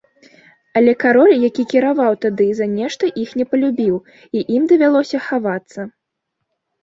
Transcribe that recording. Але кароль, які кіраваў тады, за нешта іх не палюбіў і ім давялося хавацца.